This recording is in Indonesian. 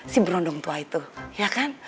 si berondong tua itu ya kan